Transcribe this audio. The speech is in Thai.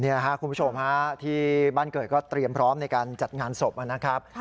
นี่ครับคุณผู้ชมฮะที่บ้านเกิดก็เตรียมพร้อมในการจัดงานศพนะครับ